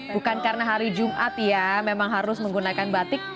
bukan karena hari jumat ya memang harus menggunakan batik